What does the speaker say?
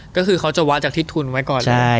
ก็คือเขาจะวะจากที่ทุนไว้ก่อนเลย